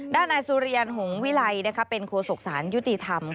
ด้านนายสุริยันหงวิไลเป็นโครสกศาลยุติธรรม